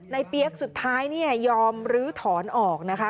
ในเปี๊ยกสุดท้ายยอมรื้อถอนออกนะคะ